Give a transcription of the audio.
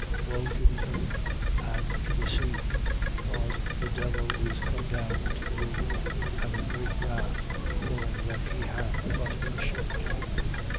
Woe to the earth and to the sea, because the devil is come down unto you, having great wrath, knowing that he hath but a short time.